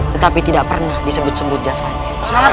tetapi tidak pernah disebut sebut jasanya